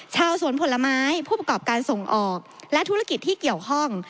ชาวสวนผลไม้ผู้ประกอบการส่งออกและธุรกิจที่เกี่ยวข้อง